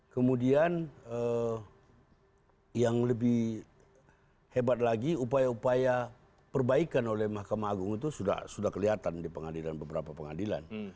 kemudian yang lebih hebat lagi upaya upaya perbaikan oleh mahkamah agung itu sudah kelihatan di pengadilan beberapa pengadilan